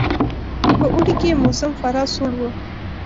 په اوړي کې یې موسم خورا سوړ وو.